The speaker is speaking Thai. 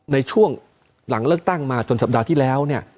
ในช่วงหลังเลิกตั้งจนสัปดาห์ที่แล้ว